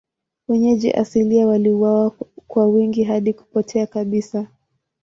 Wenyeji asilia waliuawa kwa wingi hadi kupotea kabisa.